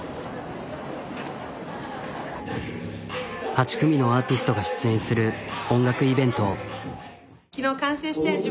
８組のアーティストが出演する音楽イベント。